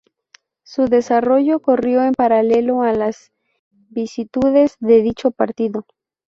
Su desarrollo corrió en paralelo a las vicisitudes de dicho partido.